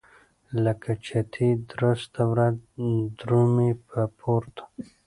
لکه چتي درسته ورځ درومي په پورته.